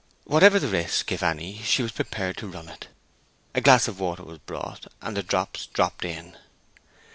Whatever the risk, if any, she was prepared to run it. A glass of water was brought, and the drops dropped in.